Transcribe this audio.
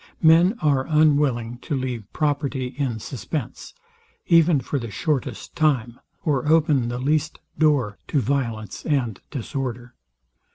Men are unwilling to leave property in suspense, even for the shortest time, or open the least door to violence and disorder.